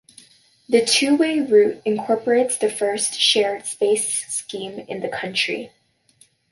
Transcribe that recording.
The two-way route incorporates the first shared space scheme in the country.